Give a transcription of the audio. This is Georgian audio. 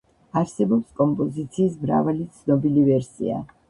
არსებობს კომპოზიციის მრავალი ცნობილი ვერსია.